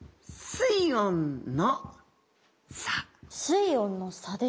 水温の差ですか。